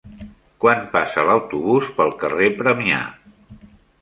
Quan passa l'autobús pel carrer Premià?